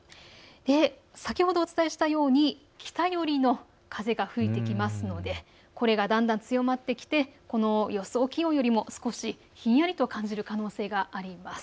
先ほどお伝えしたように北寄りの風が吹いてきますのでこれがだんだん強まってきて予想気温よりも少しひんやりと感じる可能性があります。